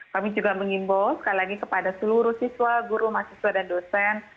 kami juga mengimbau sekali lagi kepada seluruh siswa guru mahasiswa dan dosen